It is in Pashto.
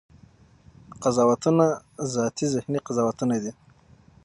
قضاوتونه ذاتي ذهني قضاوتونه دي.